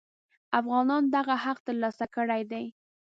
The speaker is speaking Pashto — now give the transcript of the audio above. افغانانو دغه حق تر لاسه کړی دی.